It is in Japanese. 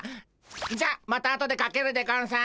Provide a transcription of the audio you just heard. じゃあまたあとでかけるでゴンス。